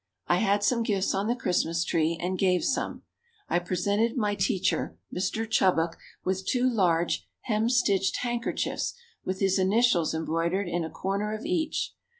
I had some gifts on the Christmas tree and gave some. I presented my teacher, Mr. Chubbuck, with two large hemstitched handkerchiefs with his initials embroidered in a corner of each.